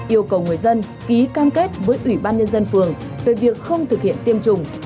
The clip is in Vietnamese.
yêu cầu người dân ký cam kết với ủy ban nhân dân phường về việc không thực hiện tiêm chủng